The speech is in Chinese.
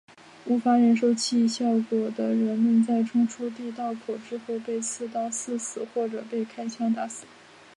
无法忍受毒气效果的人们在冲出地道口之后被刺刀刺死或者被开枪打死。